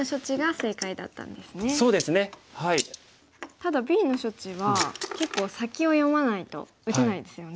ただＢの処置は結構先を読まないと打てないですよね。